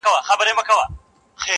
په لسگونو انسانان یې وه وژلي!!